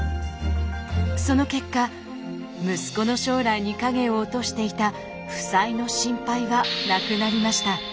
その結果息子の将来に影を落としていた負債の心配はなくなりました。